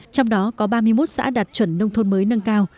trong đó có ba mươi một xã đạt chuẩn nông thôn mới nâng cao